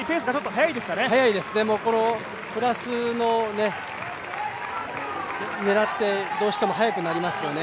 速いですね、プラスを狙ってどうしても速くなりますよね